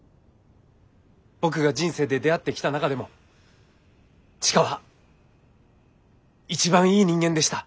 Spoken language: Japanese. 僕が人生で出会ってきた中でも千佳は一番いい人間でした。